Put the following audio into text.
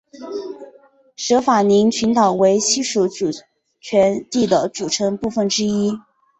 舍法林群岛为西属主权地的组成部分之一。